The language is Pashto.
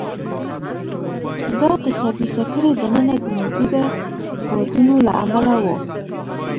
دا د خبیثه کړۍ دننه د موجوده قوتونو له امله و.